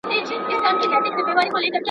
ادئب به نوی اثر رامنځته کړي.